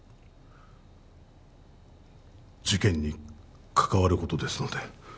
事件に関わることですので